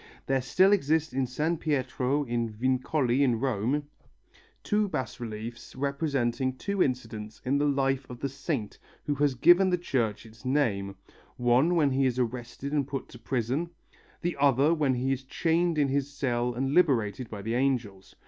There still exist in San Pietro in Vincoli in Rome, two bas reliefs representing two incidents in the life of the saint who has given the church its name, one when he is arrested and put to prison, the other when he is chained in his cell and liberated by the angels.